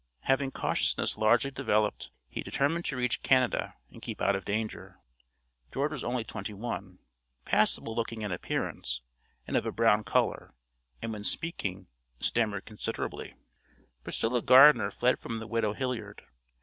Having cautiousness largely developed he determined to reach Canada and keep out of danger. George was only twenty one, passable looking in appearance, and of a brown color, and when speaking, stammered considerably. Priscilla Gardener fled from the widow Hilliard.